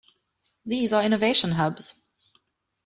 These are innovation hubs.